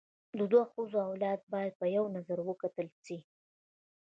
د دوو ښځو اولاده باید په یوه نظر وکتل سي.